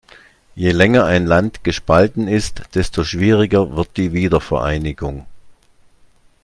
Je länger ein Land gespalten ist, desto schwieriger wird die Wiedervereinigung.